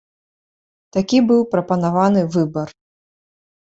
Такі быў прапанаваны выбар.